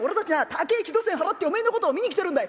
高え木戸銭払っておめえのこと見に来てるんだい。